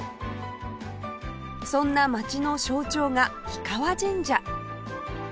そんな街の象徴が氷川神社